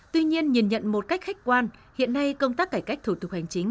tuy nhiên nhìn nhận một cách khách quan hiện nay công tác cải cách thủ tục hành chính